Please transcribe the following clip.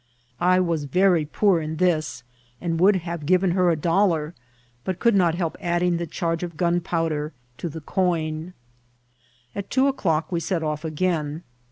I was very poor in this, and would rather have given her a dollar, but could not help add ing the charge of gunpowder to the coin. At two o'clock we set off again.